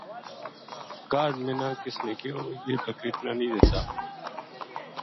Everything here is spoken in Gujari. کاہڈ منا کِس نے کہیو جے یہ تنّا بکری نہیہ دیتا